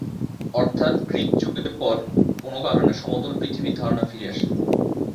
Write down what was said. অর্থাৎ গ্রিক যুগের পর কোন কারণে সমতল পৃথিবীর ধারণা ফিরে আসে।